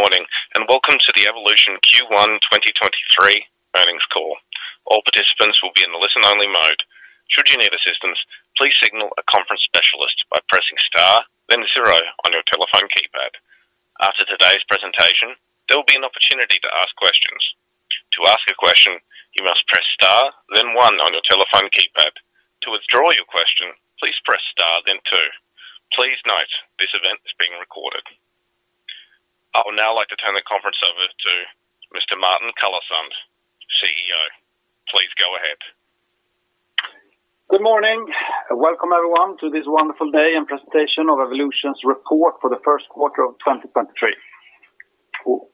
Good morning, and welcome to the Evolution Q1 2023 earnings call. All participants will be in the listen-only mode. Should you need assistance, please signal a conference specialist by pressing star, then zero on your telephone keypad. After today's presentation, there will be an opportunity to ask questions. To ask a question, you must press star, then one on your telephone keypad. To withdraw your question, please press Star, then two. Please note this event is being recorded. I would now like to turn the conference over to Mr. Martin Carlesund, CEO. Please go ahead. Good morning. Welcome everyone to this wonderful day and presentation of Evolution's report for the first quarter of 2023.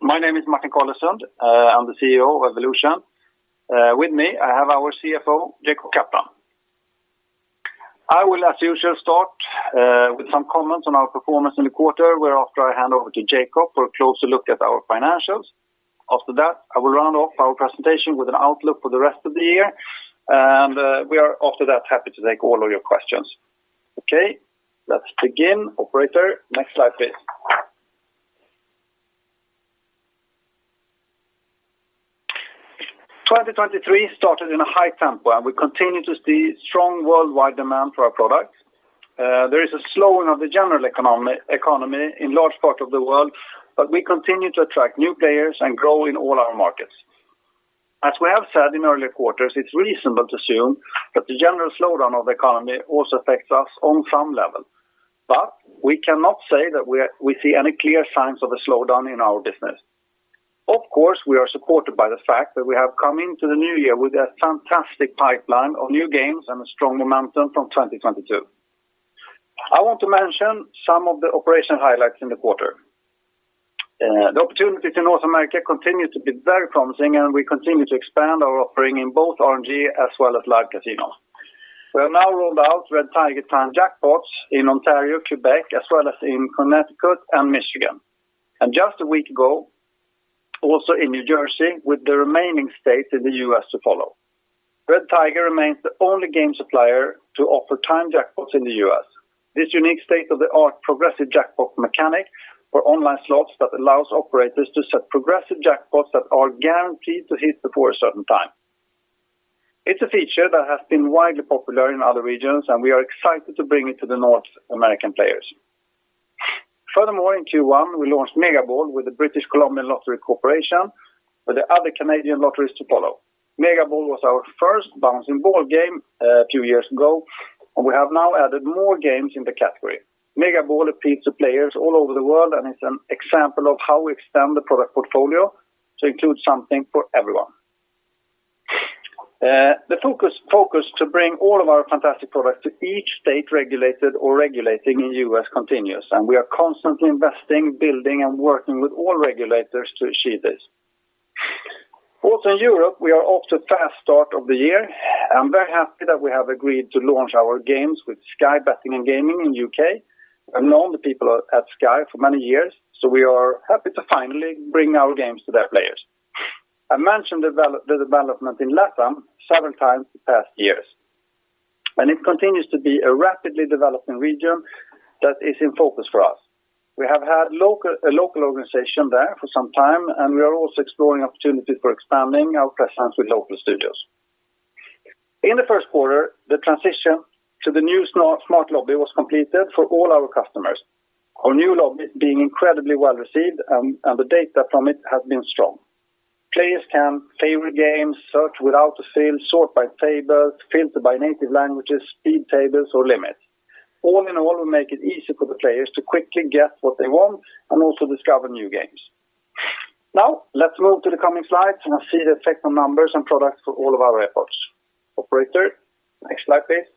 My name is Martin Carlesund. I'm the CEO of Evolution. With me, I have our CFO, Jacob Kaplan. I will, as usual, start with some comments on our performance in the quarter, where after I hand over to Jacob for a closer look at our financials. After that, I will round off our presentation with an outlook for the rest of the year. We are after that, happy to take all of your questions. Okay, let's begin. Operator, next slide, please. 2023 started in a high tempo, and we continue to see strong worldwide demand for our products. There is a slowing of the general economy in large part of the world, but we continue to attract new players and grow in all our markets. As we have said in earlier quarters, it's reasonable to assume that the general slowdown of the economy also affects us on some level. We cannot say that we see any clear signs of a slowdown in our business. Of course we are supported by the fact that we have come into the new year with a fantastic pipeline of new games and a strong momentum from 2022. I want to mention some of the operational highlights in the quarter. The opportunity to North America continued to be very promising, and we continue to expand our offering in both RNG as well as Live Casino. We have now rolled out Red Tiger Timed Jackpots in Ontario, Quebec, as well as in Connecticut and Michigan. Just a week ago, also in New Jersey, with the remaining states in the U.S. to follow. Red Tiger remains the only game supplier to offer Timed Jackpots in the U.S. This unique state-of-the-art progressive jackpot mechanic for online slots that allows operators to set progressive jackpots that are guaranteed to hit before a certain time. It's a feature that has been widely popular in other regions, and we are excited to bring it to the North American players. Furthermore, in Q1, we launched Mega Ball with the British Columbia Lottery Corporation with the other Canadian lotteries to follow. Mega Ball was our first bouncing ball game a few years ago, and we have now added more games in the category. Mega Ball appeals to players all over the world and is an example of how we extend the product portfolio to include something for everyone. The focus to bring all of our fantastic products to each state regulated or regulating in U.S. continues and we are constantly investing, building, and working with all regulators to achieve this. Also in Europe, we are off to a fast start of the year. I'm very happy that we have agreed to launch our games with Sky Betting & Gaming in U.K. I've known the people at Sky for many years, so we are happy to finally bring our games to their players. I mentioned the development in LATAM several times in past years, and it continues to be a rapidly developing region that is in focus for us. We have had a local organization there for some time, and we are also exploring opportunities for expanding our presence with local studios. In the first quarter, the transition to the new Smart Lobby was completed for all our customers. Our new lobby being incredibly well-received, and the data from it has been strong. Players can favor games, search without a fail, sort by tables, filter by native languages, speed tables or limits. All in all, we make it easy for the players to quickly get what they want and also discover new games. Now let's move to the coming slides, and I'll see the effect on numbers and products for all of our efforts. Operator, next slide please.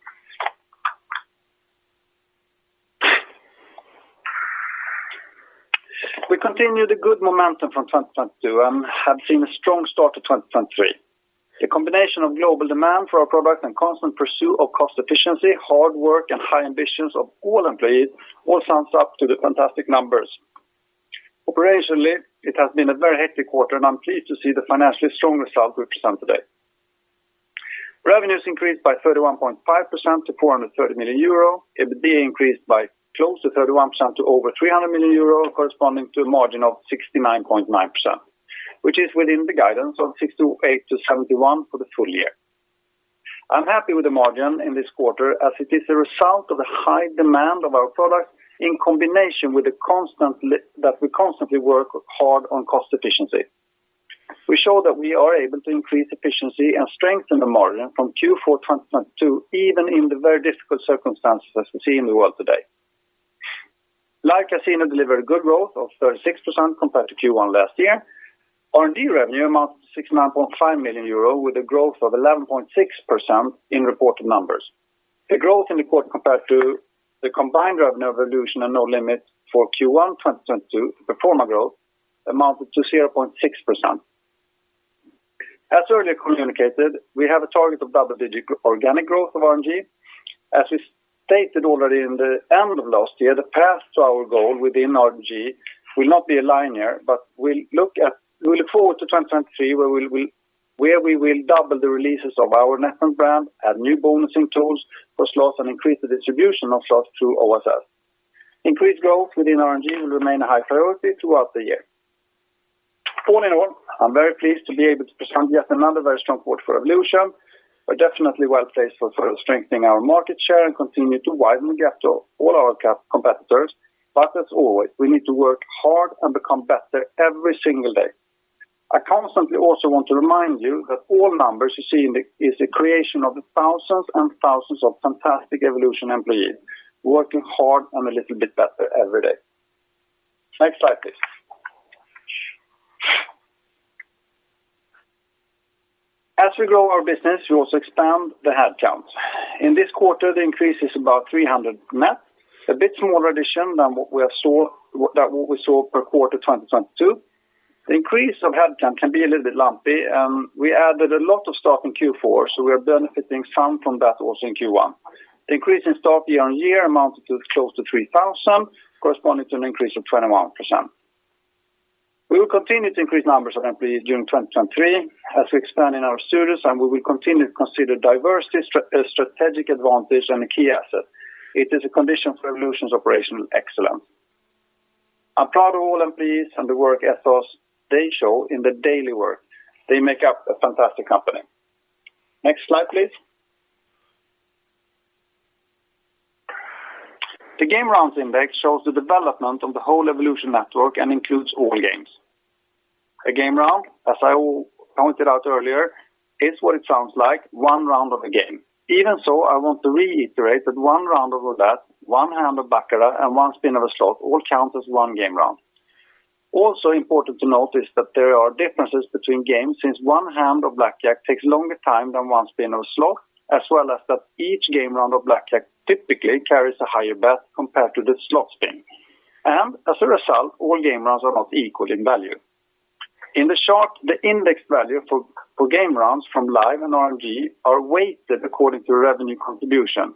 We continue the good momentum from 2022 and have seen a strong start to 2023. The combination of global demand for our product and constant pursuit of cost efficiency, hard work, and high ambitions of all employees all sums up to the fantastic numbers. Operationally, it has been a very hectic quarter, I'm pleased to see the financially strong result we present today. Revenues increased by 31.5% to 430 million euro. EBITDA increased by close to 31% to over 300 million euro, corresponding to a margin of 69.9%, which is within the guidance of 68%-71% for the full year. I'm happy with the margin in this quarter as it is a result of the high demand of our product in combination with the constant that we constantly work hard on cost efficiency. We show that we are able to increase efficiency and strengthen the margin from Q4 2022, even in the very difficult circumstances as we see in the world today. Live Casino delivered good growth of 36% compared to Q1 last year. R&D revenue amounts to 69.5 million euro with a growth of 11.6% in reported numbers. The growth in the quarter compared to the combined revenue of Evolution and Nolimit for Q1 2022 pro forma growth amounted to 0.6%. As earlier communicated, we have a target of double-digit organic growth of R&D. As we stated already in the end of last year, the path to our goal within R&D will not be a linear, we look forward to 2023, where we will double the releases of our network brand, add new bonusing tools for slots, and increase the distribution of slots through OSS. Increased growth within RNG will remain a high priority throughout the year. All in all, I'm very pleased to be able to present yet another very strong quarter for Evolution. We're definitely well-placed for strengthening our market share and continue to widen the gap to all our competitors. As always, we need to work hard and become better every single day. I constantly also want to remind you that all numbers you see is a creation of the thousands and thousands of fantastic Evolution employees working hard and a little bit better every day. Next slide please. As we grow our business, we also expand the headcounts. In this quarter, the increase is about 300 net, a bit smaller addition than what we saw per quarter 2022. The increase of headcount can be a little bit lumpy, and we added a lot of staff in Q4, so we are benefiting some from that also in Q1. The increase in staff year-on-year amounted to close to 3,000, corresponding to an increase of 21%. We will continue to increase numbers of employees during 2023 as we expand in our studios. We will continue to consider diversity a strategic advantage and a key asset. It is a condition for Evolution's operational excellence. I'm proud of all employees and the work ethos they show in their daily work. They make up a fantastic company. Next slide, please. The Game Rounds index shows the development of the whole Evolution network and includes all games. A game round, as I pointed out earlier, is what it sounds like, one round of a game. Even so, I want to reiterate that one round of roulette, one hand of baccarat, and one spin of a slot all count as one game round. Also important to note is that there are differences between games since one hand of blackjack takes longer time than one spin of a slot, as well as that each game round of blackjack typically carries a higher bet compared to the slot spin. As a result, all game rounds are not equal in value. In the chart, the index value for game rounds from Live and RNG are weighted according to revenue contribution.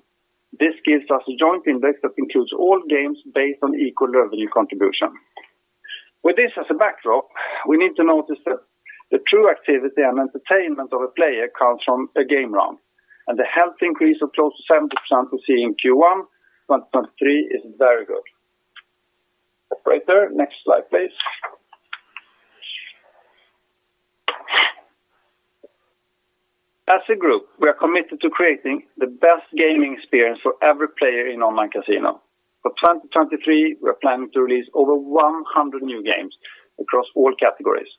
This gives us a joint index that includes all games based on equal revenue contribution. With this as a backdrop, we need to notice that the true activity and entertainment of a player comes from a game round. The healthy increase of close to 70% we see in Q1 2023 is very good. Stop right there. Next slide, please. As a group, we are committed to creating the best gaming experience for every player in online casino. For 2023 we're planning to release over 100 new games across all categories.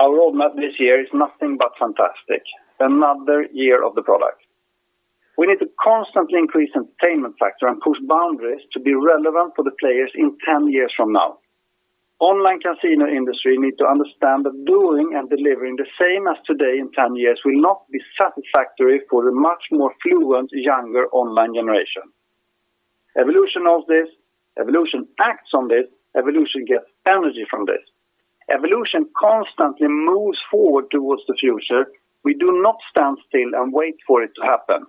Our roadmap this year is nothing but fantastic, another year of the product. We need to constantly increase entertainment factor and push boundaries to be relevant for the players in 10 years from now. Online casino industry need to understand that doing and delivering the same as today in 10 years will not be satisfactory for the much more fluent, younger online generation. Evolution knows this, Evolution acts on this, Evolution gets energy from this. Evolution constantly moves forward towards the future. We do not stand still and wait for it to happen.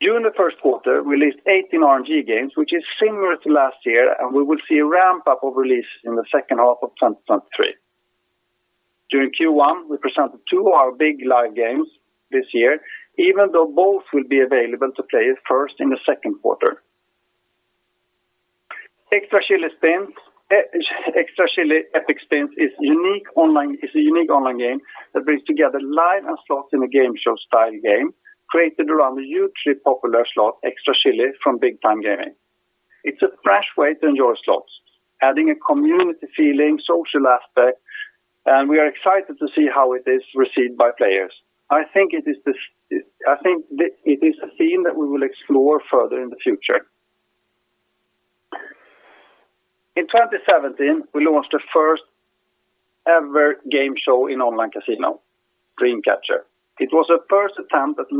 During the first quarter, we released 18 RNG games, which is similar to last year, and we will see a ramp-up of releases in the second half of 2023. During Q1, we presented two of our big live games this year, even though both will be available to play first in the second quarter. Extra Chilli Epic Spins is a unique online game that brings together live and slots in a game show style game created around the hugely popular slot, Extra Chilli from Big Time Gaming. It's a fresh way to enjoy slots, adding a community feeling, social aspect, and we are excited to see how it is received by players. I think it is a theme that we will explore further in the future. In 2017, we launched the first-ever game show in online casino, Dream Catcher. It was a first attempt at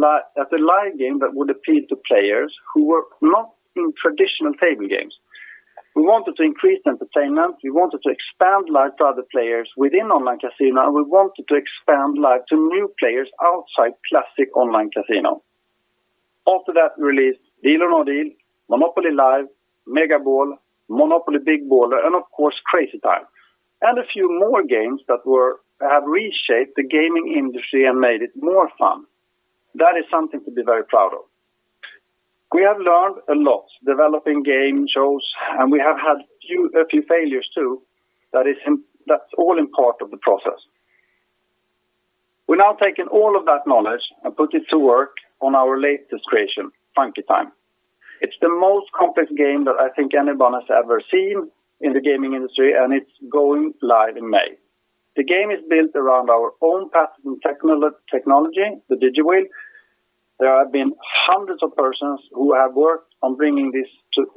a live game that would appeal to players who were not in traditional table games. We wanted to increase entertainment. We wanted to expand Live to other players within online casino, and we wanted to expand Live to new players outside classic online casino. After that, we released Deal or No Deal, MONOPOLY Live, Mega Ball, MONOPOLY Big Baller, and of course Crazy Time, and a few more games that have reshaped the gaming industry and made it more fun. That is something to be very proud of. We have learned a lot developing game shows and we have had a few failures too. That's all in part of the process. We're now taking all of that knowledge and put it to work on our latest creation, Funky Time. It's the most complex game that I think anyone has ever seen in the gaming industry, and it's going live in May. The game is built around our own patented technology, the DigiWheel. There have been hundreds of persons who have worked on bringing this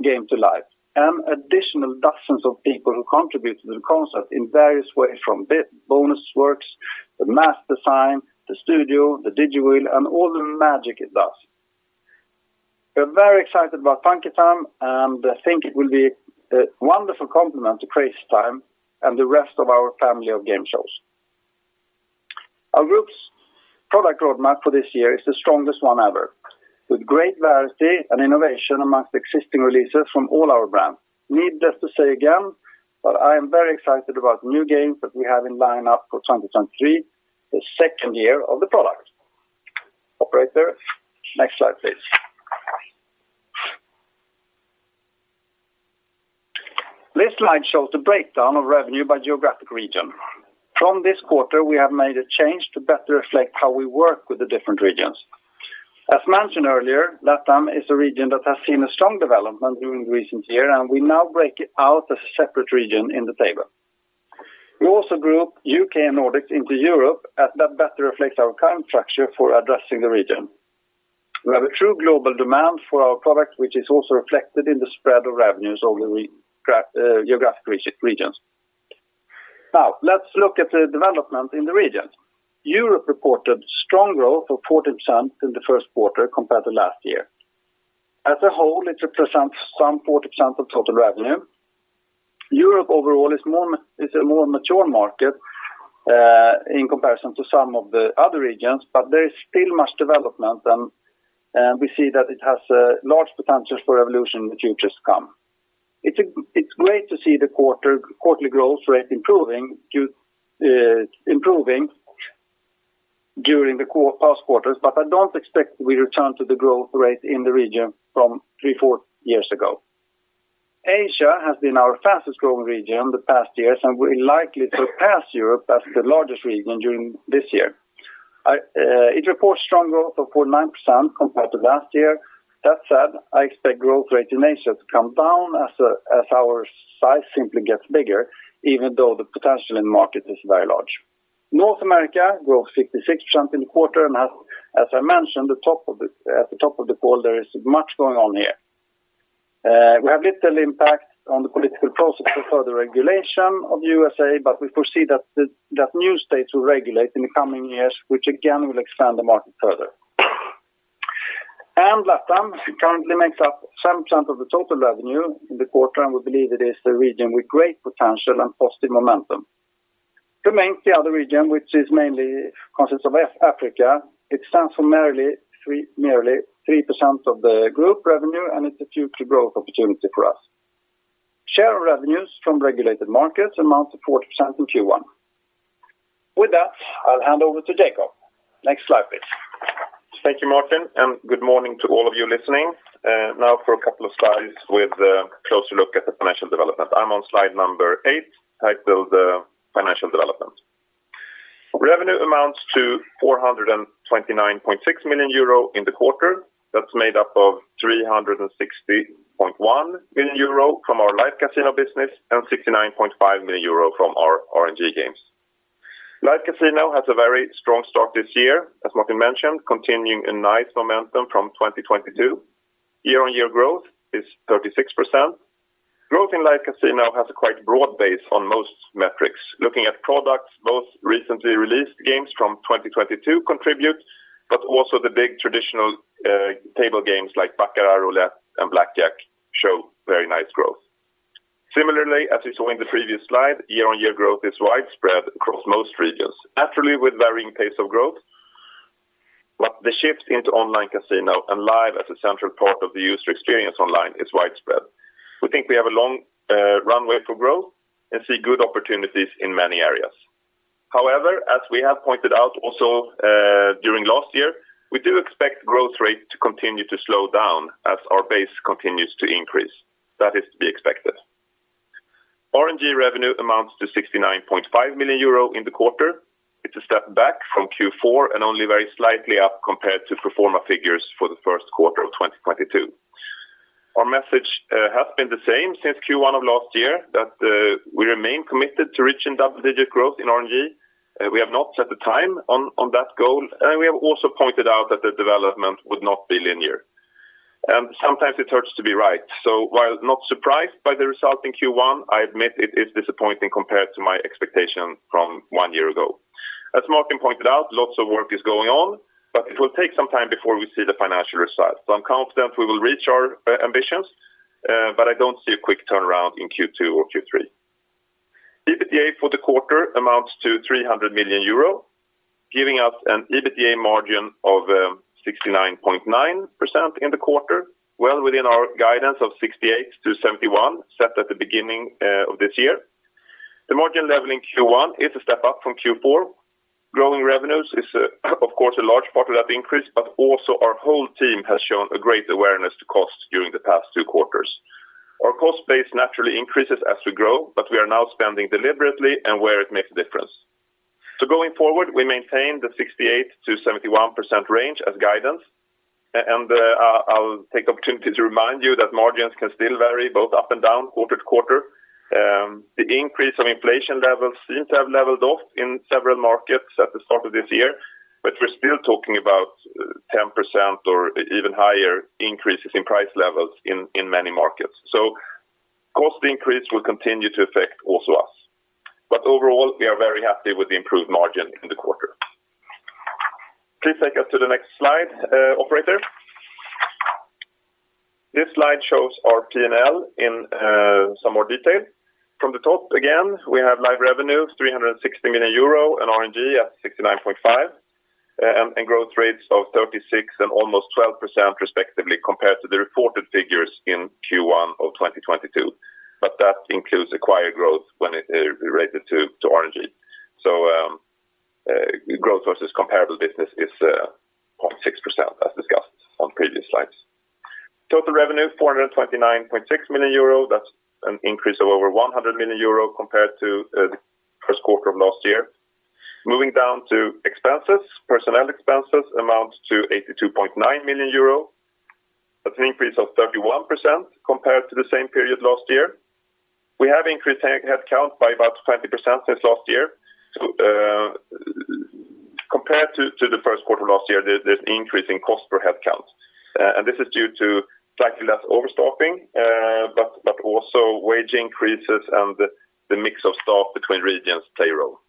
game to life, and additional dozens of people who contribute to the concept in various ways, from bonus works, the math design, the studio, the DigiWheel, and all the magic it does. We're very excited about Funky Time, and I think it will be a wonderful complement to Crazy Time and the rest of our family of game shows. Our group's product roadmap for this year is the strongest one ever, with great variety and innovation amongst existing releases from all our brands. Needless to say again, I am very excited about new games that we have in line up for 2023 the second year of the product. Operator, next slide, please. This slide shows the breakdown of revenue by geographic region. From this quarter, we have made a change to better reflect how we work with the different regions. As mentioned earlier, LATAM is a region that has seen a strong development during recent year, we now break it out as a separate region in the table. We also group U.K. and Nordics into Europe as that better reflects our current structure for addressing the region. We have a true global demand for our products which is also reflected in the spread of revenues over geographic regions. Let's look at the development in the region. Europe reported strong growth of 40% in the first quarter compared to last year. As a whole, it represents some 40% of total revenue. Europe overall is more is a more mature market in comparison to some of the other regions, but there is still much development and we see that it has large potential for Evolution in the futures come. It's great to see the quarterly growth rate improving during the past quarters, but I don't expect we return to the growth rate in the region from three, four years ago. Asia has been our fastest growing region the past years, and will likely surpass Europe as the largest region during this year. It reports strong growth of 49% compared to last year. That said, I expect growth rate in Asia to come down as our size simply gets bigger even though the potential in market is very large. North America grows 56% in the quarter, as I mentioned, at the top of the pole, there is much going on here. We have little impact on the political process for further regulation of U.S., but we foresee that new states will regulate in the coming years, which again, will expand the market further. LATAM currently makes up 7% of the total revenue in the quarter, and we believe it is a region with great potential and positive momentum. Remains the other region, which mainly consists of Africa. It stands for merely 3% of the group revenue, and it's a future growth opportunity for us. Share revenues from regulated markets amounts to 40% in Q1. With that, I'll hand over to Jakob. Next slide, please. Thank you, Martin and good morning to all of you listening. Now for a couple of slides with a closer look at the financial development. I'm on slide number eight, titled, Financial Development. Revenue amounts to 429.6 million euro in the quarter. That's made up of 360.1 million euro from our Live Casino business and 69.5 million euro from our RNG games. Live Casino has a very strong start this year, as Martin mentioned, continuing a nice momentum from 2022. Year-on-year growth is 36%. Growth in Live Casino has a quite broad base on most metrics. Looking at products, both recently released games from 2022 contribute, but also the big traditional table games like Baccarat, Roulette, and Blackjack show very nice growth. Similarly, as you saw in the previous slide, year-on-year growth is widespread across most regions, naturally with varying pace of growth. The shift into online casino and live as a central part of the user experience online is widespread. We think we have a long runway for growth and see good opportunities in many areas. However, as we have pointed out also during last year, we do expect growth rate to continue to slow down as our base continues to increase. That is to be expected. RNG revenue amounts to 69.5 million euro in the quarter. It's a step back from Q4 and only very slightly up compared to pro forma figures for the first quarter of 2022. Our message has been the same since Q1 of last year that we remain committed to reaching double-digit growth in RNG. We have not set the time on that goal. We have also pointed out that the development would not be linear. Sometimes it hurts to be right. While not surprised by the result in Q1, I admit it is disappointing compared to my expectation from one year ago. As Martin pointed out, lots of work is going on, but it will take some time before we see the financial results. I'm confident we will reach our ambitions, but I don't see a quick turnaround in Q2 or Q3. EBITDA for the quarter amounts to 300 million euro, giving us an EBITDA margin of 69.9% in the quarter, well within our guidance of 68%-71% set at the beginning of this year. The margin level in Q1 is a step up from Q4. Growing revenues is, of course, a large part of that increase, but also our whole team has shown a great awareness to cost during the past two quarters. Our cost base naturally increases as we grow, but we are now spending deliberately and where it makes a difference. Going forward, we maintain the 68%-71% range as guidance. I'll take opportunity to remind you that margins can still vary both up and down quarter to quarter. The increase of inflation levels seem to have leveled off in several markets at the start of this year, but we're still talking about 10% or even higher increases in price levels in many markets. Cost increase will continue to affect also us. Overall, we are very happy with the improved margin in the quarter. Please take us to the next slide, operator. This slide shows our P&L in some more detail. From the top again, we have live revenue 360 million euro and RNG at 69.5, and growth rates of 36% and almost 12% respectively compared to the reported figures in Q1 of 2022. That includes acquired growth when it is related to RNG. Growth versus comparable business is 0.6% as discussed on previous slides. Total revenue 429.6 million euro, that's an increase of over 100 million euro compared to the first quarter of last year. Moving down to expenses. Personnel expenses amounts to 82.9 million euro. That's an increase of 31% compared to the same period last year. We have increased head count by about 20% since last year. Compared to the first quarter of last year there's an increase in cost per head count. This is due to slightly less over staffing, but also wage increases and the mix of staff between regions payroll.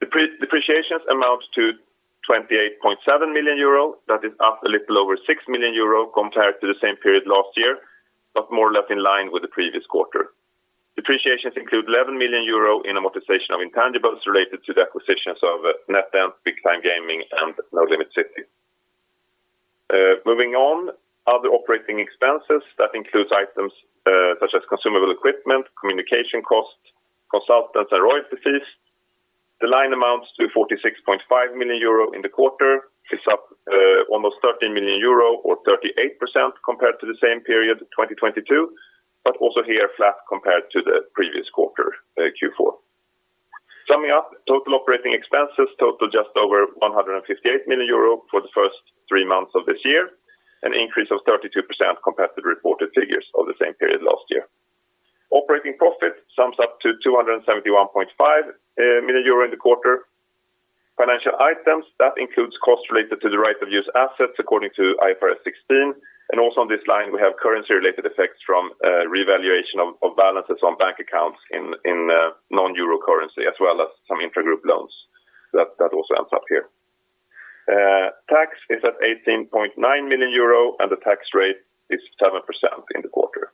Depreciations amounts to 28.7 million euro. That is up a little over 6 million euro compared to the same period last year, but more or less in line with the previous quarter. Depreciations include 11 million euro in amortization of intangibles related to the acquisitions of NetEnt, Big Time Gaming and Nolimit City. Moving on other operating expenses that includes items such as consumable equipment, communication costs, consultants and royalty fees. The line amounts to 46.5 million euro in the quarter is up almost 13 million euro or 38% compared to the same period 2022, but also here flat compared to the previous quarter, Q4. Summing up, total operating expenses total just over 158 million euro for the first three months of this year, an increase of 32% compared to the reported figures of the same period last year. Operating profit sums up to 271.5 million euro in the quarter. Financial items that includes costs related to the right-of-use assets according to IFRS 16, and also on this line we have currency related effects from revaluation of balances on bank accounts in non-euro currency as well as some intra-group loans that also ends up here. Tax is at 18.9 million euro and the tax rate is 7% in the quarter.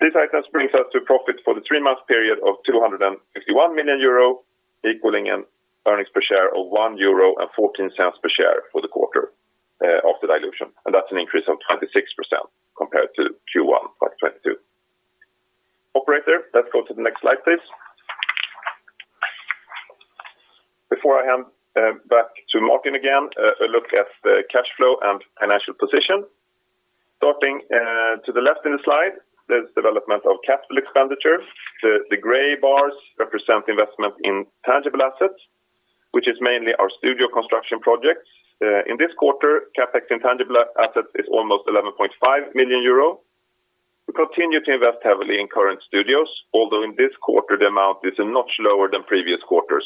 These items brings us to profit for the three-month period of 251 million euro equaling an earnings per share of 1.14 euro per share for the quarter, of the dilution, and that's an increase of 26% compared to Q1 2022. Operator, let's go to the next slide, please. Before I hand back to Martin again, a look at the cash flow and financial position. Starting to the left of the slide, there's development of capital expenditures. The gray bars represent investment in tangible assets, which is mainly our studio construction projects. In this quarter, CapEx in tangible assets is almost 11.5 million euro. We continue to invest heavily in current studios, although in this quarter the amount is a notch lower than previous quarters.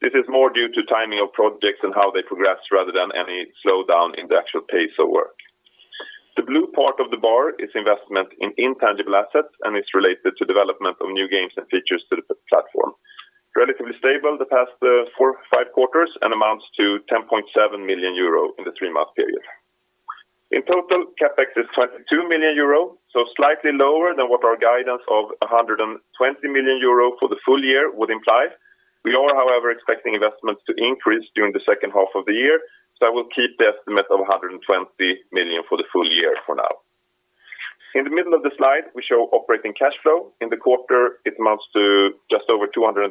This is more due to timing of projects and how they progress rather than any slowdown in the actual pace of work. The blue part of the bar is investment in intangible assets and is related to development of new games and features to the platform. Relatively stable the past, four, five quarters and amounts to 10.7 million euro in the three-month period. In total, CapEx is 22 million euro. Slightly lower than what our guidance of 120 million euro for the full year would imply. We are, however, expecting investments to increase during the second half of the year, so we'll keep the estimate of 120 million for the full year for now. In the middle of the slide, we show operating cash flow. In the quarter, it amounts to just over 221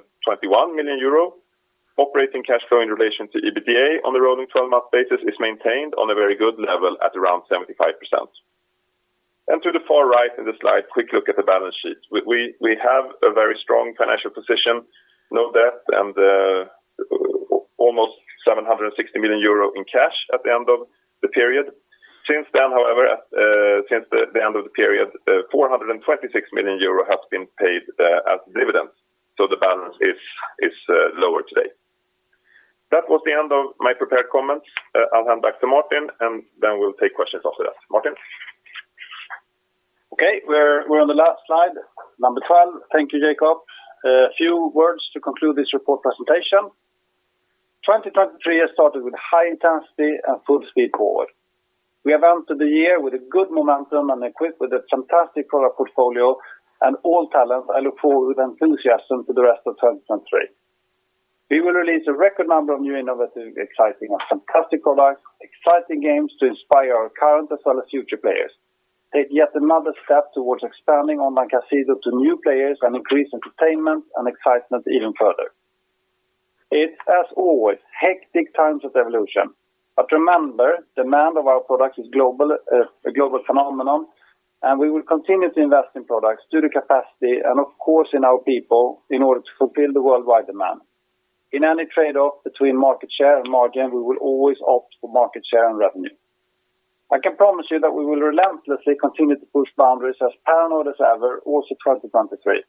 million euro. Operating cash flow in relation to EBITDA on the rolling twelve-month basis is maintained on a very good level at around 75%. To the far right in the slide, quick look at the balance sheet. We have a very strong financial position, no debt and almost E.R 760 million in cash at the end of the period. Since then, however, at since the end of the period, 426 million euro has been paid as dividends, so the balance is lower today. That was the end of my prepared comments. I'll hand back to Martin and then we'll take questions after that. Martin? Okay, we're on the last slide, number 12. Thank you, Jakob. A few words to conclude this report presentation. 2023 has started with high intensity and full speed forward. We have entered the year with a good momentum and equipped with a fantastic product portfolio and all talent. I look forward with enthusiasm to the rest of 2023. We will release a record number of new innovative, exciting and fantastic products, exciting games to inspire our current as well as future players. Take yet another step towards expanding online casino to new players and increase entertainment and excitement even further. It's as always, hectic times of Evolution, but remember, demand of our product is a global phenomenon and we will continue to invest in products, studio capacity, and of course in our people in order to fulfill the worldwide demand. In any trade-off between market share and margin, we will always opt for market share and revenue. I can promise you that we will relentlessly continue to push boundaries as paranoid as ever, also 2023.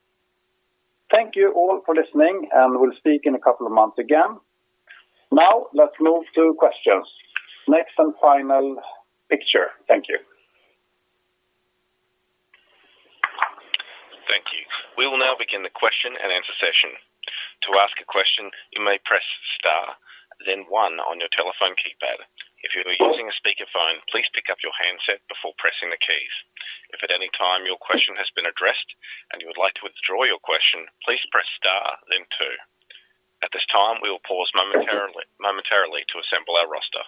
Thank you all for listening, and we'll speak in a couple of months again. Now, let's move to questions. Next and final picture. Thank you. Thank you. We will now begin the question-and-answer session. To ask a question, you may press star then one on your telephone keypad. If you are using a speakerphone, please pick up your handset before pressing the keys. If at any time your question has been addressed and you would like to withdraw your question, please press star then two. At this time, we will pause momentarily to assemble our roster.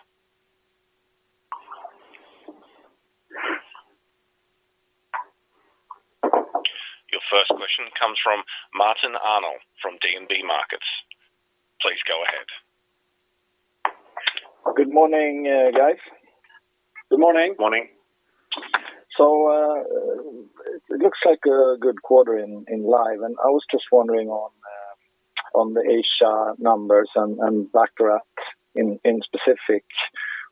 Your first question comes from Martin Arnell from DNB Markets. Please go ahead. Good morning, guys. Good morning. Morning. It looks like a good quarter in Live, and I was just wondering on the Asia numbers and baccarat in specific,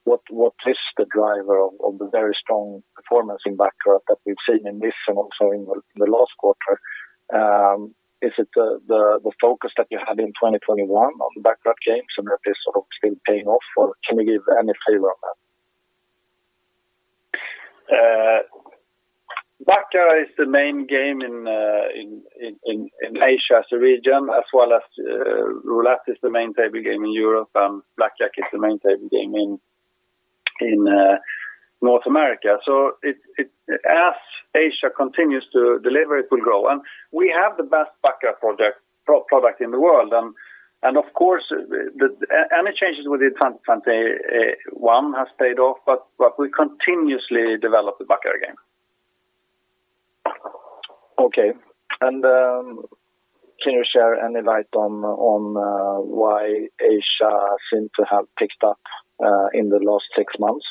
what is the driver of the very strong performance in baccarat that we've seen in this and also in the last quarter? Is it the focus that you had in 2021 on baccarat games and that is sort of still paying off or can you give any flavor on that? Baccarat is the main game in Asia as a region as well as roulette is the main table game in Europe and blackjack is the main table game in North America. It as Asia continues to deliver, it will grow. We have the best baccarat product in the world. And of course, the any changes within 2021 has paid off, but we continuously develop the baccarat game. Okay. Can you share any light on why Asia seems to have picked up in the last six months?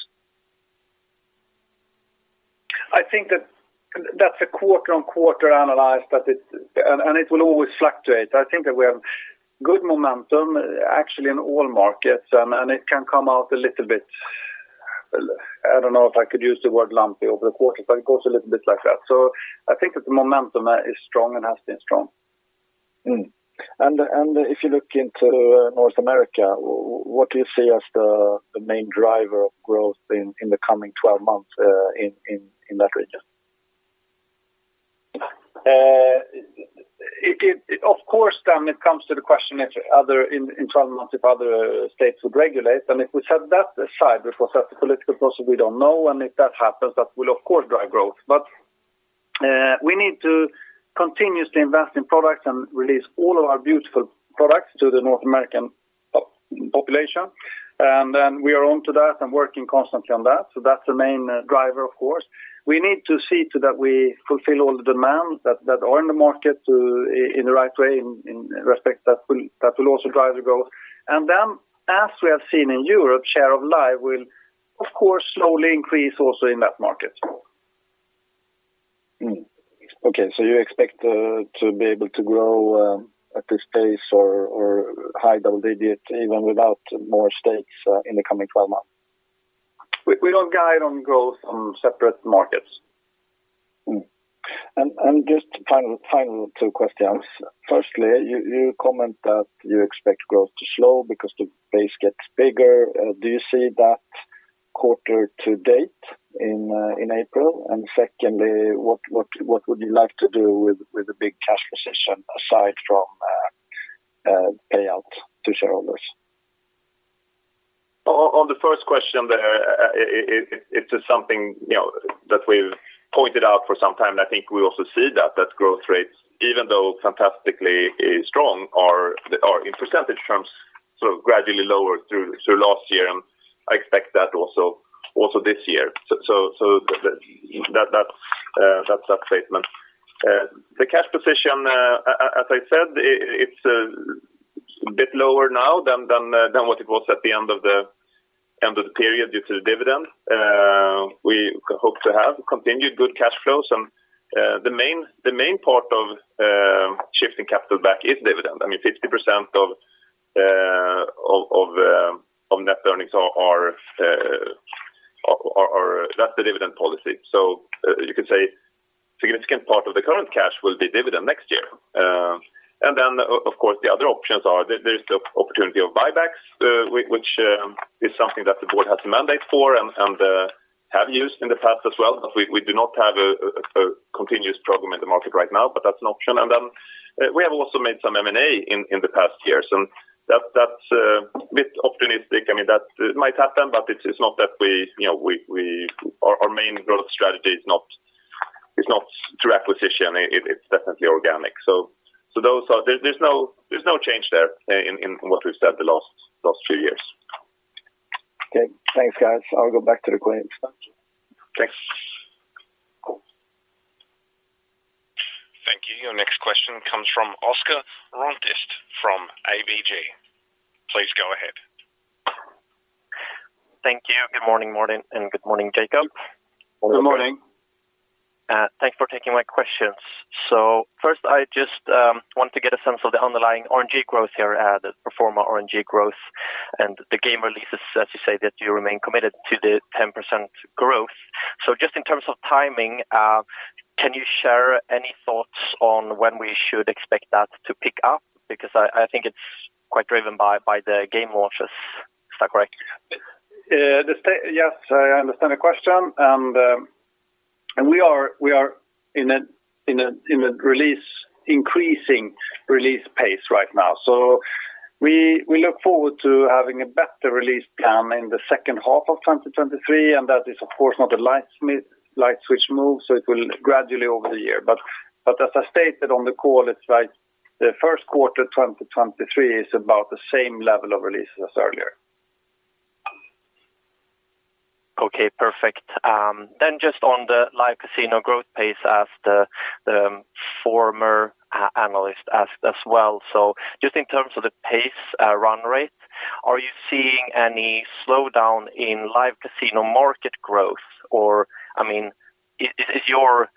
I think that that's a quarter-on-quarter analyze. It will always fluctuate. I think that we have good momentum actually in all markets. It can come out a little bit, I don't know if I could use the word lumpy over the quarter, but it goes a little bit like that. I think that the momentum is strong and has been strong. If you look into North America, what do you see as the main driver of growth in the coming 12 months, in that region? Of course, it comes to the question in 12 months if other states would regulate. If we set that aside, because that's a political process we don't know, and if that happens, that will of course drive growth. We need to continuously invest in products and release all of our beautiful products to the North American population. We are on to that and working constantly on that. That's the main driver of course. We need to see to that we fulfill all the demands that are in the market in the right way, in respect that will also drive the growth. As we have seen in Europe, share of Live will of course slowly increase also in that market. Okay. You expect to be able to grow at this pace or high double digits even without more states in the coming 12 months? We don't guide on growth on separate markets. Just final two questions. Firstly, you comment that you expect growth to slow because the base gets bigger. Do you see that quarter to date in April? Secondly what would you like to do with the big cash position aside from payout to shareholders? On the first question there, it is something, you know, that we've pointed out for some time. I think we also see that growth rates, even though fantastically strong, are in percentage terms, sort of gradually lower through last year, and I expect that also this year. That's that statement. The cash position, as I said, it's a bit lower now than what it was at the end of the period due to the dividend. We hope to have continued good cash flows. The main part of shifting capital back is dividend. I mean, 50% of net earnings, that's the dividend policy. You could say significant part of the current cash will be dividend next year. Then of course, the other options are there is the opportunity of buybacks, which is something that the board has a mandate for and have used in the past as well. We do not have a continuous program in the market right now, but that's an option. Then we have also made some M&A in the past years, and that's a bit optimistic. I mean, that might happen but it's not that our main growth strategy is not through acquisition. It's definitely organic. There's no change there in what we've said the last few years. Okay. Thanks, guys. I'll go back to the queue. Thanks. Thank you. Your next question comes from Oscar Rönnkvist from ABG. Please go ahead. Thank you. Good morning, Martin, and good morning, Jakob. Good morning. Thanks for taking my questions. First, I just want to get a sense of the underlying RNG growth here, the pro forma RNG growth and the game releases, as you say, that you remain committed to the 10% growth. Just in terms of timing, can you share any thoughts on when we should expect that to pick up? Because I think it's quite driven by the game launches. Is that correct? Yes, I understand the question. We are in an increasing release pace right now. We look forward to having a better release plan in the second half of 2023, and that is of course not a light switch move. It will gradually over the year. As I stated on the call, it's like the first quarter 2023 is about the same level of releases as earlier. Okay. Perfect. Just on the Live Casino growth pace as the former analyst asked as well. Just in terms of the pace, run rate are you seeing any slowdown in Live Casino market growth? I mean, is your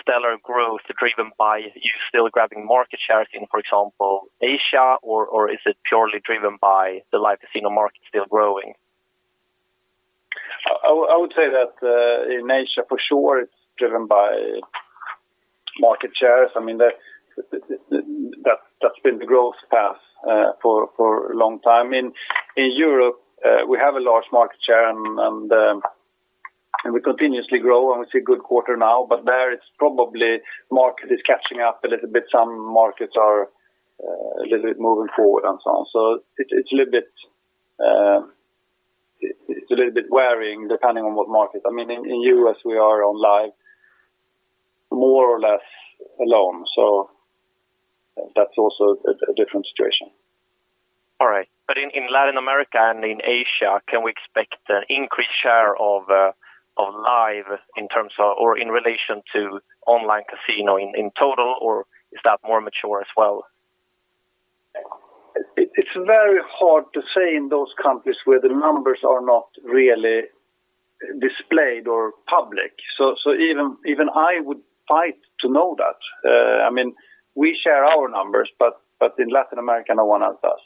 stellar growth driven by you still grabbing market share in, for example, Asia or is it purely driven by the Live Casino market still growing? I would say that in Asia for sure it's driven by market shares. I mean, that's been the growth path for a long time. In Europe, we have a large market share and we continuously grow, and we see a good quarter now, but there it's probably market is catching up a little bit. Some markets are a little bit moving forward and so on. It's a little bit varying depending on what market. In U.S. we are on live more or less alone, so that's also a different situation. All right. In Latin America and in Asia, can we expect an increased share of Live Casino in terms of or in relation to online casino in total or is that more mature as well? It's very hard to say in those countries where the numbers are not really displayed or public. Even I would fight to know that. I mean, we share our numbers, but in Latin America, no one else does.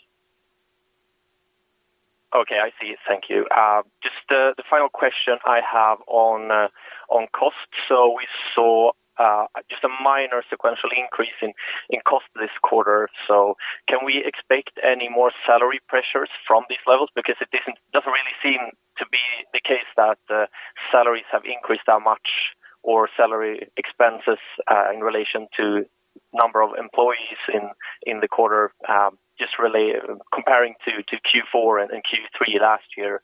I see. Thank you. Just the final question I have on cost. We saw just a minor sequential increase in cost this quarter. Can we expect any more salary pressures from these levels? Because it doesn't really seem to be the case that salaries have increased that much or salary expenses in relation to number of employees in the quarter, just really comparing to Q4 and Q3 last year.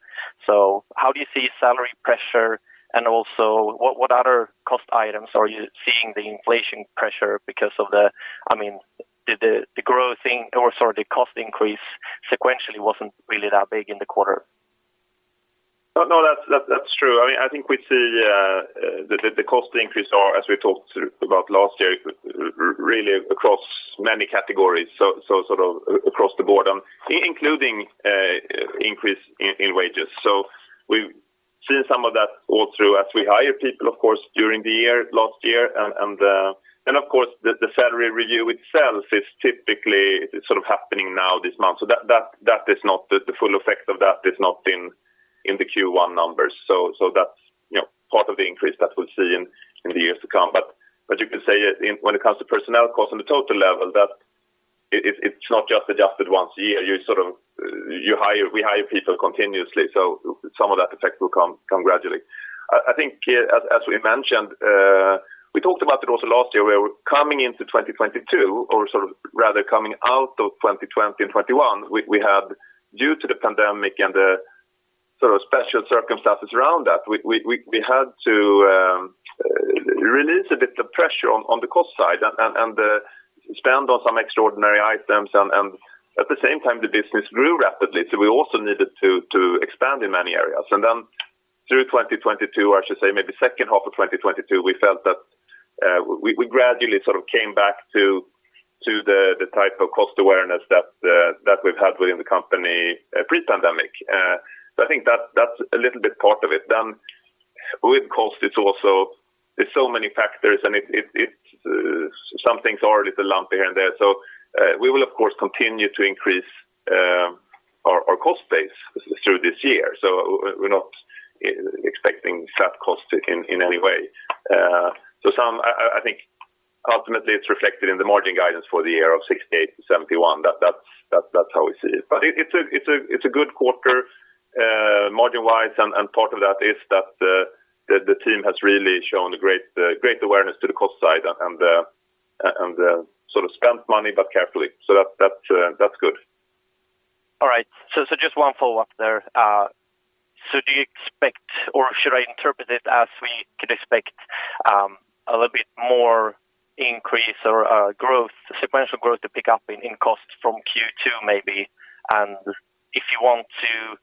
How do you see salary pressure and also what other cost items are you seeing the inflation pressure? I mean, the growth in or sorry, the cost increase sequentially wasn't really that big in the quarter. No, no, that's true. I mean, I think we see the cost increase or as we talked through about last year really across many categories, so sort of across the board, including increase in wages. We've seen some of that all through as we hire people, of course, during the year, last year. Of course the salary review itself is typically sort of happening now this month. That is not the full effect of that is not in the Q1 numbers. That's, you know, part of the increase that we'll see in the years to come. You can say when it comes to personnel costs on the total level that it's not just adjusted once a year. You sort of, we hire people continuously, so some of that effect will come gradually. I think here as we mentioned, we talked about it also last year, where coming into 2022 or sort of rather coming out of 2020 and 2021 we had due to the pandemic and the sort of special circumstances around that, we had to release a bit of pressure on the cost side and spend on some extraordinary items. At the same time, the business grew rapidly, so we also needed to expand in many areas. Through 2022, or I should say maybe second half of 2022, we felt that we gradually sort of came back to the type of cost awareness that we've had within the company pre-pandemic. I think that's a little bit part of it. With cost, it's so many factors and it's some things are a little lumpy here and there. We will of course continue to increase our cost base through this year. We're not expecting flat cost in any way. I think ultimately it's reflected in the margin guidance for the year of 68%-71%. That's how we see it. It's a good quarter, margin-wise, and part of that is that the team has really shown a great awareness to the cost side and sort of spent money but carefully. That's good. All right. So just one follow-up there. Do you expect or should I interpret it as we could expect a little bit more increase or growth, sequential growth to pick up in costs from Q2 maybe? If you want to,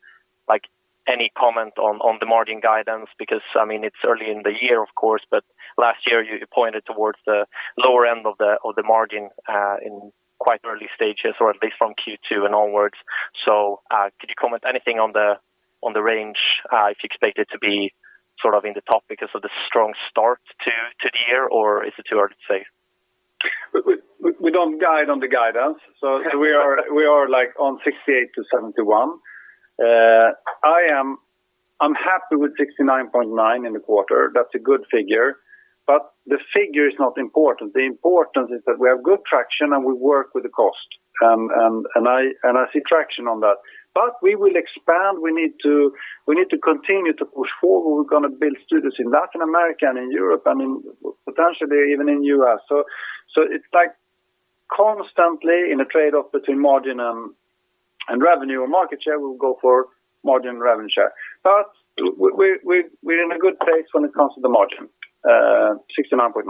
like any comment on the margin guidance, because I mean, it's early in the year of course, but last year you pointed towards the lower end of the margin in quite early stages or at least from Q2 and onwards. Could you comment anything on the range if you expect it to be sort of in the top because of the strong start to the year, or is it too hard to say? We don't guide on the guidance. We are like on 68%-71%. I'm happy with 69.9% in the quarter. That's a good figure. The figure is not important. The important is that we have good traction, and we work with the cost. And I see traction on that. We will expand. We need to, we need to continue to push forward. We're gonna build studios in Latin America and in Europe and potentially even in U.S. It's like constantly in a trade-off between margin and revenue or market share, we'll go for margin revenue share. We're in a good place when it comes to the margin, 69.9%.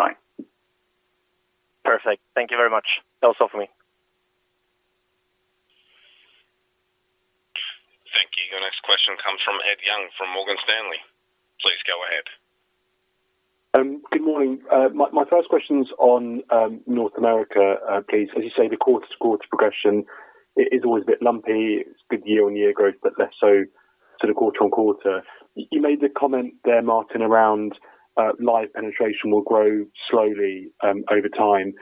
Perfect. Thank you very much. That's all for me. Thank you. Your next question comes from Ed Young from Morgan Stanley. Please go ahead. Good morning. My first question's on North America, please. As you say, the quarter to quarter progression is always a bit lumpy. It's good year-on-year growth, but less so sort of quarter on quarter. You made the comment there, Martin, around live penetration will grow slowly over time.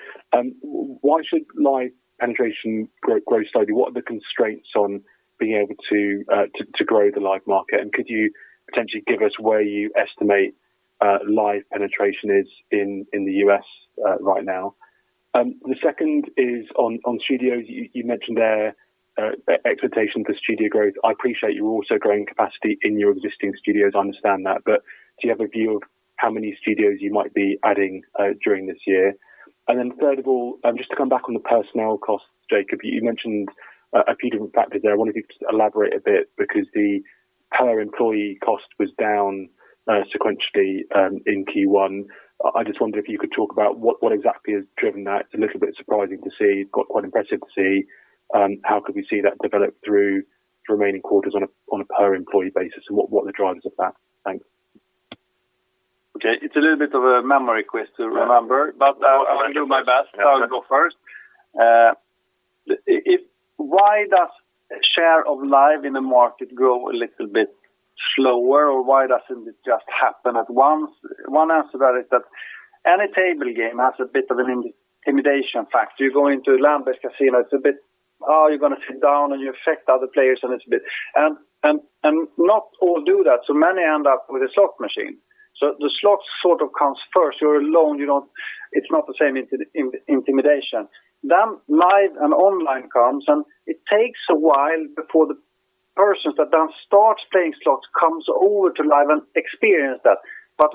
Why should live penetration grow slowly? What are the constraints on being able to grow the live market? Could you potentially give us where you estimate live penetration is in the U.S. right now? The second is on studios. You mentioned there expectation for studio growth. I appreciate you're also growing capacity in your existing studios, I understand that. Do you have a view of how many studios you might be adding during this year? Third of all, just to come back on the personnel costs, Jakob, you mentioned a few different factors there. I wonder if you could just elaborate a bit because the per employee cost was down sequentially in Q1. I just wonder if you could talk about what exactly has driven that. It's a little bit surprising to see. It got quite impressive to see, how could we see that develop through the remaining quarters on a per employee basis, and what are the drivers of that? Thanks. Okay. It's a little bit of a memory quiz to remember. Yeah. I'll do my best. Yeah. I'll go first. Why does share of live in the market grow a little bit slower, or why doesn't it just happen at once? One answer that is that any table game has a bit of an intimidation factor. You go into Lambeth Casino, it's a bit, "Oh, you're gonna sit down, and you affect other players a little bit." Not all do that, so many end up with a slot machine. The slots sort of comes first. You're alone, it's not the same intimidation. Live and online comes, and it takes a while before the persons that then start playing slots comes over to live and experience that.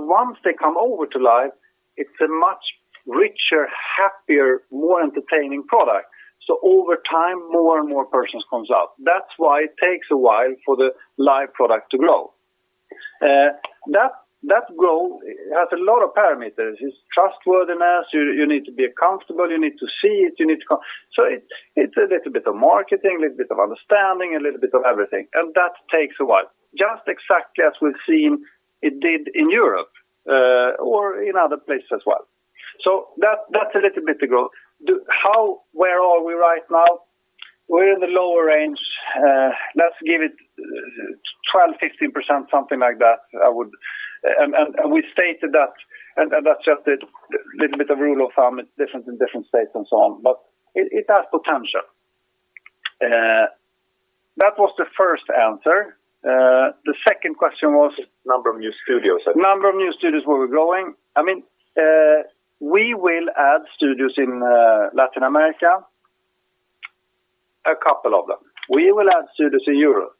Once they come over to live, it's a much richer, happier, more entertaining product. Over time, more and more persons comes out. That's why it takes a while for the live product to grow. That growth has a lot of parameters. It's trustworthiness. You need to be accountable. You need to see it. You need to come. It's a little bit of marketing, a little bit of understanding, a little bit of everything, and that takes a while. Just exactly as we've seen it did in Europe, or in other places as well. That's a little bit to grow. How, where are we right now? We're in the lower range. Let's give it 12%-15%, something like that. I would. We stated that, and that's just a little bit of rule of thumb. It's different in different states and so on. It has potential. That was the first answer. The second question was? Number of new studios. Number of new studios where we're growing. I mean, we will add studios in Latin America, two of them. We will add studios in Europe,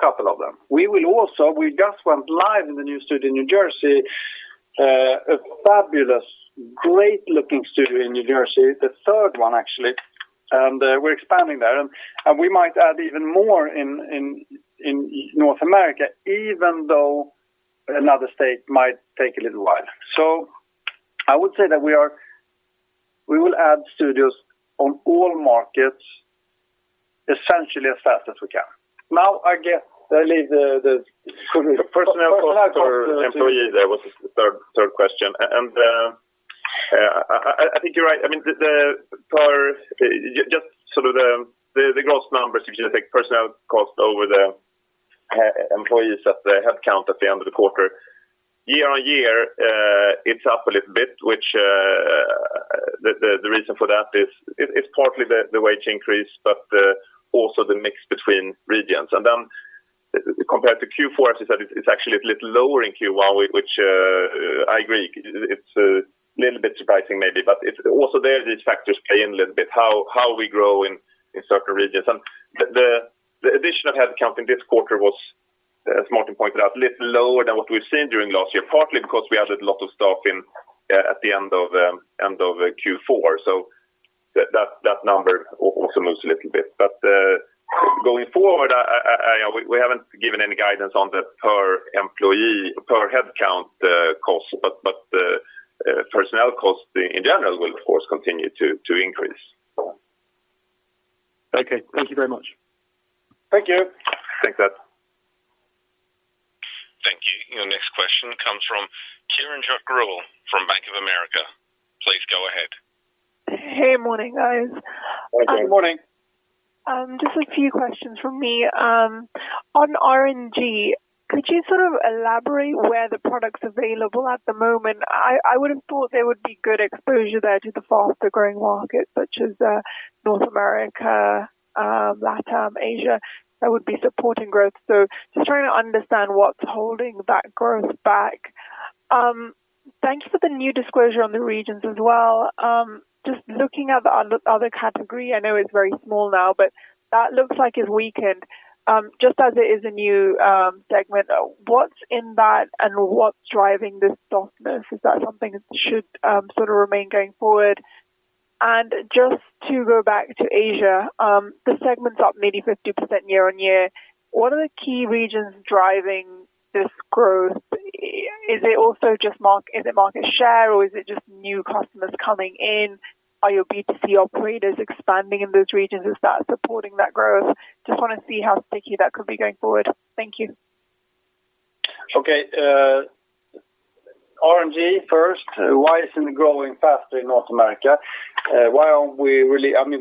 two of them. We just went live in the new studio in New Jersey, a fabulous, great-looking studio in New Jersey, the third one actually. We're expanding there. We might add even more in North America, even though another state might take a little while. I would say that we will add studios on all markets essentially as fast as we can. Now, I guess I leave the- The personnel cost per employee there was the third question. I think you're right. I mean, the gross numbers, if you take personnel cost over the employees at the headcount at the end of the quarter. Year-on-year, it's up a little bit, which the reason for that is it's partly the wage increase, but also the mix between regions. Compared to Q4, as you said, it's actually a little lower in Q1, which I agree. It's a little bit surprising maybe, but it's also there, these factors play in a little bit, how we grow in certain regions. The addition of headcount in this quarter was, as Martin pointed out, a little lower than what we've seen during last year, partly because we added a lot of staff in at the end of end of Q4. That number also moves a little bit. Going forward, I, you know, we haven't given any guidance on the per employee, per headcount cost, but personnel cost in general will of course, continue to increase. Okay. Thank you very much. Thank you. Thanks, Ed. Thank you. Your next question comes from Kiranjot Grewal from Bank of America. Please go ahead. Hey. Morning, guys. Morning. Just a few questions from me. On RNG, could you sort of elaborate where the product's available at the moment? I would have thought there would be good exposure there to the faster-growing markets such as North America, LATAM, Asia, that would be supporting growth. Just trying to understand what's holding that growth back. Thanks for the new disclosure on the regions as well. Just looking at the other category, I know it's very small now, but that looks like it weakened. Just as it is a new segment, what's in that and what's driving this softness? Is that something that should sort of remain going forward? Just to go back to Asia, the segment's up maybe 50% year-over-year. What are the key regions driving this growth? Is it market share or is it just new customers coming in? Are your B2C operators expanding in those regions? Is that supporting that growth? Just wanna see how sticky that could be going forward. Thank you. Okay. RNG first, why isn't it growing faster in North America? Why aren't we releasing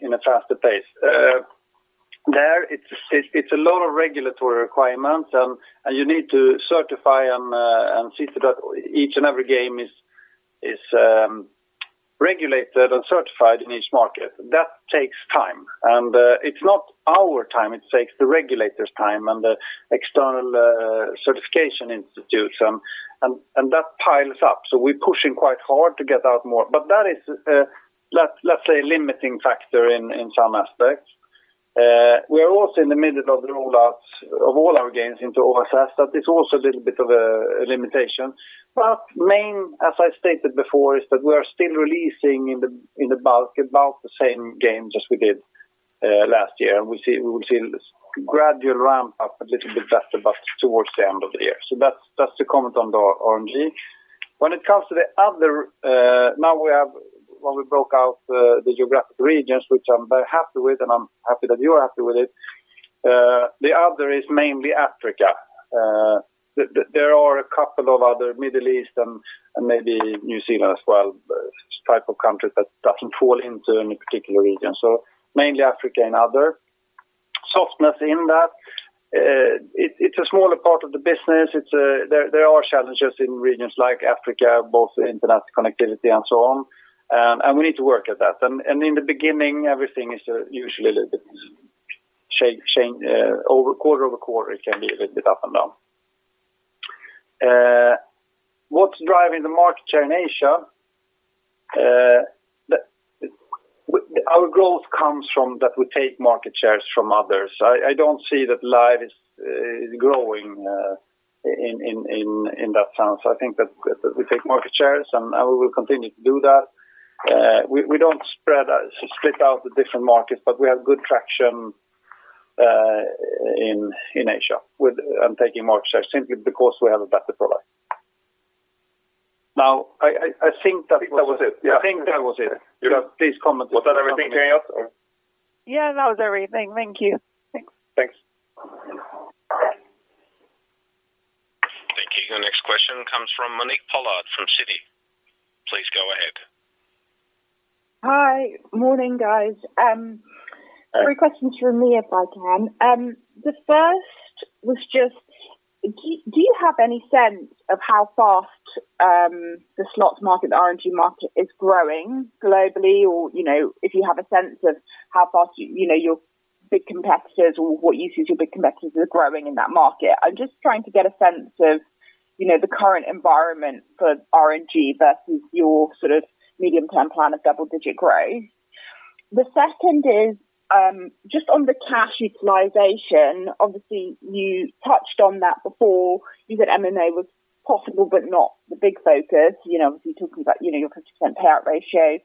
in a faster pace? There it's a lot of regulatory requirements, and you need to certify and see that each and every game is regulated and certified in each market. That takes time. It's not our time, it takes the regulators time and the external certification institutes. That piles up. We're pushing quite hard to get out more. That is, let's say limiting factor in some aspects. We are also in the middle of the rollouts of all our games into OSS, that is also a little bit of a limitation. Main, as I stated before, is that we are still releasing in the bulk about the same games as we did last year. We will see this gradual ramp up a little bit better, but towards the end of the year. That's the comment on the RNG. When it comes to the other, when we broke out the geographic regions, which I'm very happy with, and I'm happy that you are happy with it. The other is mainly Africa. There are a couple of other Middle East and maybe New Zealand as well, type of countries that doesn't fall into any particular region. Mainly Africa and other. Softness in that, it's a smaller part of the business. It's, there are challenges in regions like Africa, both internet connectivity and so on. We need to work at that. In the beginning, everything is usually a little bit over quarter-over-quarter, it can be a little bit up and down. What's driving the market share in Asia? Our growth comes from that we take market shares from others. I don't see that live is growing in that sense. I think that we take market shares, and we will continue to do that. We don't spread, split out the different markets, but we have good traction in Asia with taking market shares simply because we have a better product. Now, I think that was it. I think that was it. I think that was it. Yeah. Please comment if there's something- Was that everything, Kiranjot? Yeah, that was everything. Thank you. Thanks. Thanks. Thank you. The next question comes from Monique Pollard from Citi. Please go ahead. Hi. Morning, guys. Three questions from me, if I can. The first was just, do you have any sense of how fast the slots market, the RNG market is growing globally? If you have a sense of how fast, you know, your big competitors or what you see as your big competitors are growing in that market? I'm just trying to get a sense of, you know, the current environment for RNG versus your sort of medium-term plan of double-digit growth. The second is, just on the cash utilization, obviously, you touched on that before. You said M&A was possible, but not the big focus. You know, obviously, you're talking about, you know, your 50% payout ratio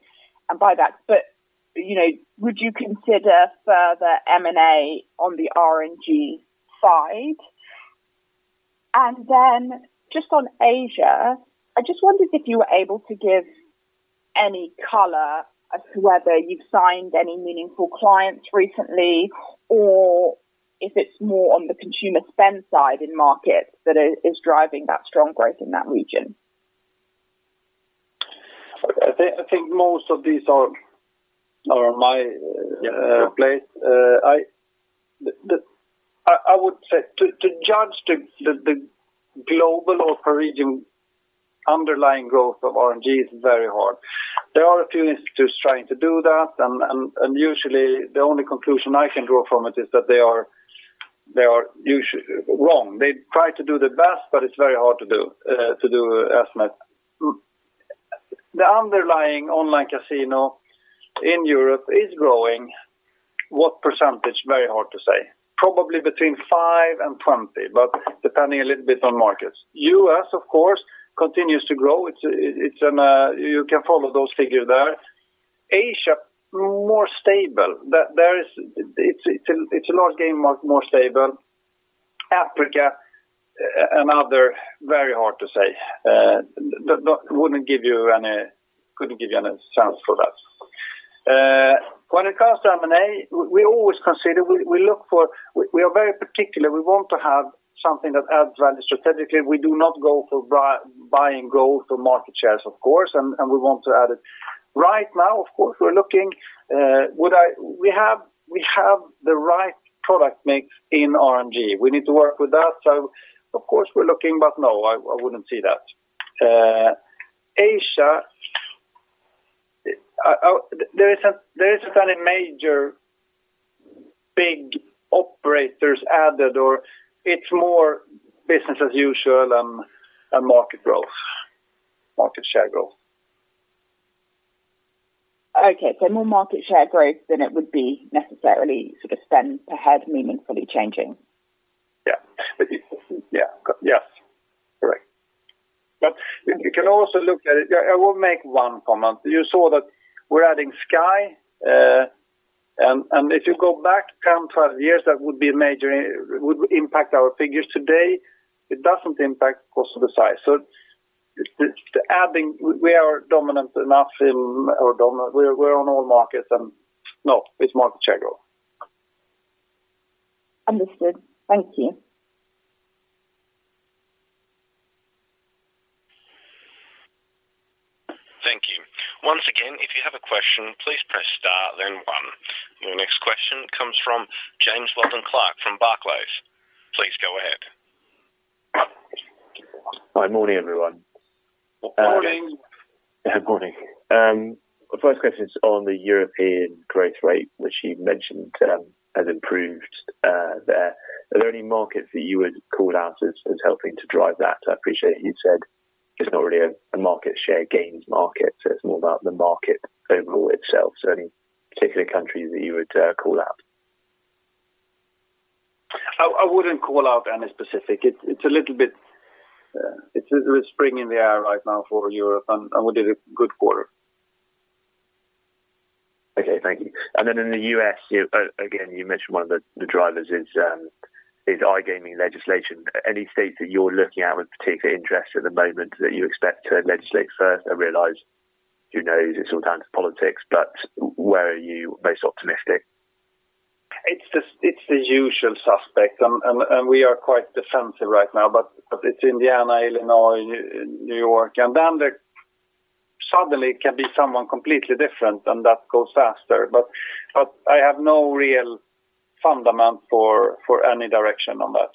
and buyback. Would you consider further M&A on the RNG side? Just on Asia, I just wondered if you were able to give any color as to whether you've signed any meaningful clients recently or if it's more on the consumer spend side in markets that is driving that strong growth in that region. I think most of these are my place. I would say to judge the global or per region underlying growth of RNG is very hard. There are a few institutes trying to do that, and usually the only conclusion I can draw from it is that they are wrong. They try to do their best, but it's very hard to do estimate. The underlying online casino in Europe is growing. What percentage? Very hard to say. Probably between five and 20, but depending a little bit on markets. U.S., of course, continues to grow. It's an, you can follow those figures there. Asia, more stable. There is a large game, more stable. Africa and other, very hard to say. I wouldn't give you any, couldn't give you any sense for that. When it comes to M&A, we always consider. We are very particular. We want to have something that adds value strategically. We do not go for buying growth or market shares, of course, and we want to add it. Right now, of course we're looking. We have the right product mix in RNG. We need to work with that. Of course, we're looking, but no, I wouldn't see that. Asia, there isn't any major big operators added, or it's more business as usual and market growth, market share growth. Okay. More market share growth than it would be necessarily sort of spend per head meaningfully changing. Yes. Correct. You can also look at it. I will make one comment. You saw that we're adding Sky. If you go back 10, 12 years, that would be major. It would impact our figures today. It doesn't impact cost of the size. It's adding. We are dominant enough in or dominant. We're on all markets and no, it's market share growth. Understood. Thank you. Thank you. Once again, if you have a question, please press star then one. Your next question comes from James Rowland Clark from Barclays. Please go ahead. Good morning, everyone. Good morning. Good morning. The first question is on the European growth rate, which you mentioned has improved there. Are there any markets that you would call out as helping to drive that? I appreciate you said it's not really a market share gains market, so it's more about the market overall itself. Any particular countries that you would call out? I wouldn't call out any specific. It's a little bit, it's a little spring in the air right now for Europe and we did a good quarter. Okay. Thank you. In the U.S., again, you mentioned one of the drivers is iGaming legislation. Any states that you're looking at with particular interest at the moment that you expect to legislate first? I realize, who knows, it's all down to politics, but where are you most optimistic? It's the usual suspect, and we are quite defensive right now, but it's Indiana, Illinois, New York. There suddenly can be someone completely different, and that goes faster. I have no real fundament for any direction on that.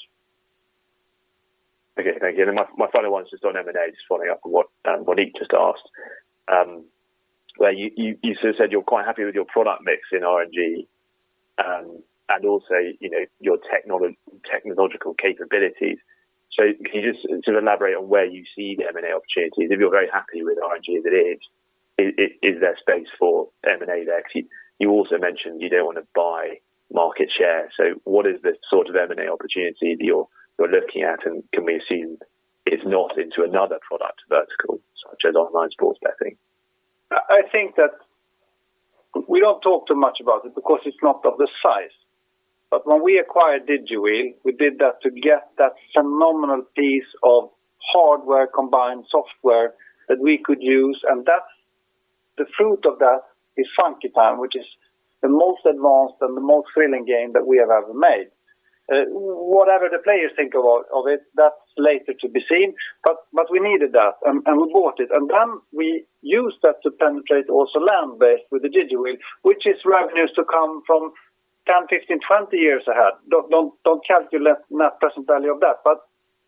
Okay. Thank you. My final one is just on M&A, just following up on what Monique just asked. Where you sort of said you're quite happy with your product mix in RNG, and also, you know, your technological capabilities. Can you just sort of elaborate on where you see the M&A opportunities? If you're very happy with RNG as it is there space for M&A there? You also mentioned you don't wanna buy market share. What is the sort of M&A opportunity that you're looking at and can we assume it's not into another product vertical, such as online sports betting? I think that we don't talk too much about it because it's not of the size. When we acquired DigiWheel, we did that to get that phenomenal piece of hardware combined software that we could use, and that's the fruit of that is Funky Time which is the most advanced and the most thrilling game that we have ever made. Whatever the players think of it, that's later to be seen, but we needed that, and we bought it. Then we used that to penetrate also land-based with the DigiWheel, which is revenues to come from 10, 15, 20 years ahead. Don't calculate net present value of that.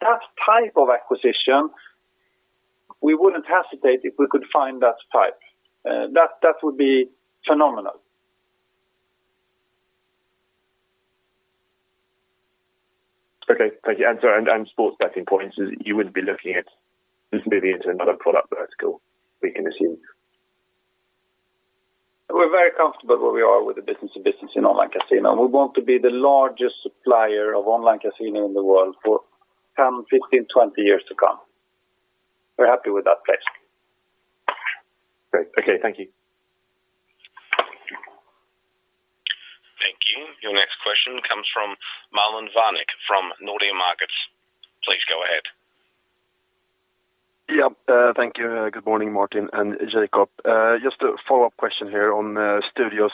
That type of acquisition, we wouldn't hesitate if we could find that type. That would be phenomenal. Okay. Thank you. Sports betting points is you would be looking at just moving into another product vertical, we can assume? We're very comfortable where we are with the business to business in online casino. We want to be the largest supplier of online casino in the world for 10, 15, 20 years to come. We're happy with that place. Great. Okay. Thank you. Thank you. Your next question comes from Marlon Värnik from Nordea Markets. Please go ahead. Yeah. Thank you. Good morning, Martin and Jakob. Just a follow-up question here on studios.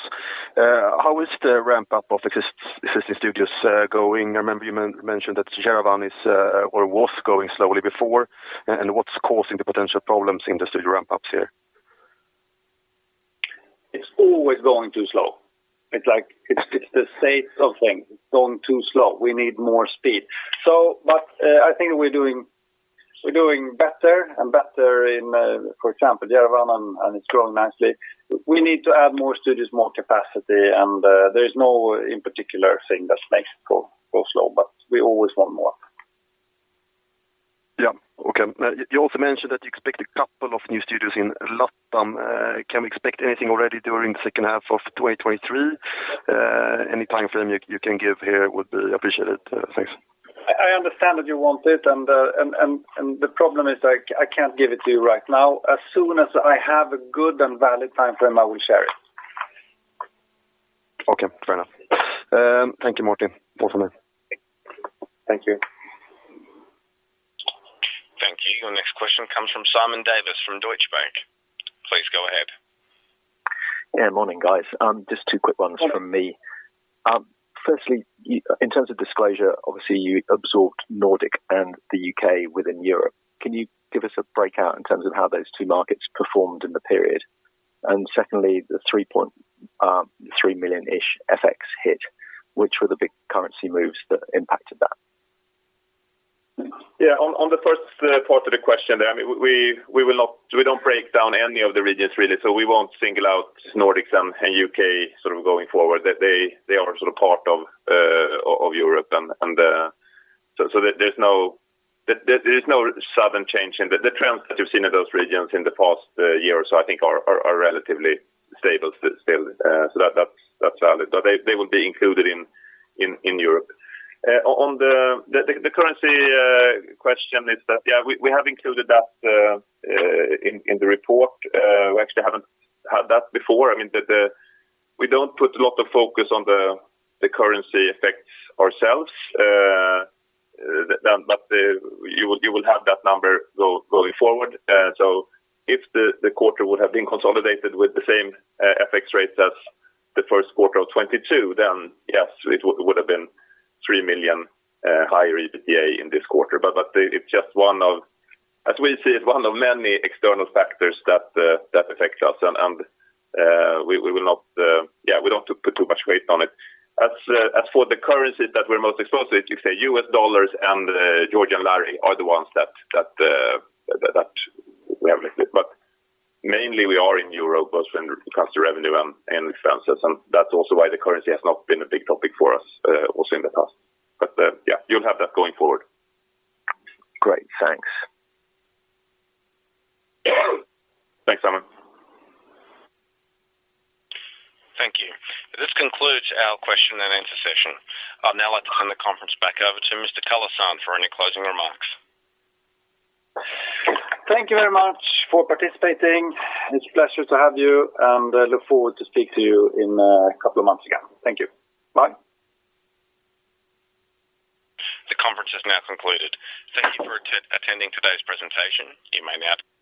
How is the ramp-up of existing studios going? I remember you mentioned that Yerevan is or was going slowly before. What's causing the potential problems in the studio ramp-ups here? It's always going too slow. It's like, it's the state of things. It's going too slow. We need more speed. I think we're doing better and better in, for example, Yerevan, and it's growing nicely. We need to add more studios, more capacity, and there is no in particular thing that makes it go slow, but we always want more. Okay. You also mentioned that you expect a couple of new studios in LATAM. Can we expect anything already during second half of 2023? Any timeframe you can give here would be appreciated. Thanks. I understand that you want it and the problem is I can't give it to you right now. As soon as I have a good and valid timeframe, I will share it. Okay. Fair enough. Thank you, Martin. Over. Thank you. Thank you. Your next question comes from Simon Davies from Deutsche Bank. Please go ahead. Yeah. Morning, guys. Just two quick ones from me. Firstly, in terms of disclosure, obviously, you absorbed Nordic and the U.K. within Europe. Can you give us a breakout in terms of how those two markets performed in the period? Secondly, the 3.3 million-ish FX hit, which were the big currency moves that impacted that? Yeah, on the first part of the question there, I mean, we don't break down any of the regions really. We won't single out Nordics and U.K .sort of going forward. They, they are sort of part of Europe and. There is no sudden change in the. The trends that you've seen in those regions in the past year or so I think are relatively stable still. That, that's valid. They, they will be included in Europe. On the currency question is that, yeah, we have included that in the report. We actually haven't had that before. We don't put a lot of focus on the currency effects ourselves. You will have that number going forward. If the quarter would have been consolidated with the same FX rates as the first quarter of 2022, then yes, it would have been 3 million higher EBITDA in this quarter. It just one of many external factors that affect us and we will not put too much weight on it. As for the currencies that we're most exposed to, if you say U.S. dollars and Georgian lari are the ones that we have listed. Mainly we are in Europe both when it comes to revenue and expenses, and that's also why the currency has not been a big topic for us, also in the past. Yeah, you'll have that going forward. Great. Thanks. Thanks, Simon. Thank you. This concludes our question-and-answer session. I'll now like to hand the conference back over to Mr. Carlesund for any closing remarks. Thank you very much for participating. It's a pleasure to have you, and I look forward to speak to you in a couple of months again. Thank you. Bye. The conference is now concluded. Thank you for attending today's presentation. You may now disconnect.